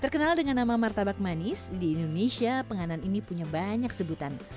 terkenal dengan nama martabak manis di indonesia penganan ini punya banyak sebutan